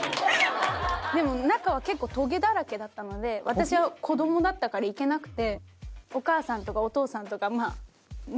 でも中は結構トゲだらけだったので私は子どもだったから行けなくて。